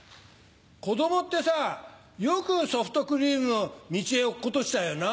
子供ってさよくソフトクリームを道へ落っことしちゃうよな。